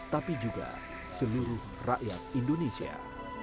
tapi juga seluruh rakyat indonesia